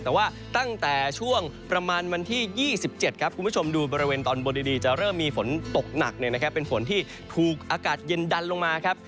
แต่ว่าตั้งแต่ช่วงประมาณวันที่๒๗ครับคุณผู้ชมดูบริเวณตอนบนดีจะเริ่มมีฝนตกหนักเป็นฝนที่ถูกอากาศเย็นดันลงมาครับ